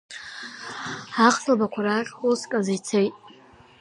Ахсалбақәа рахь уск азы ицеит.